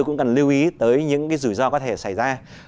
cũng cần lưu ý tới những cái rủi ro có thể xảy ra